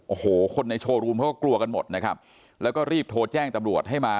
โอ้โหคนในโชว์รูมเขาก็กลัวกันหมดนะครับแล้วก็รีบโทรแจ้งตำรวจให้มา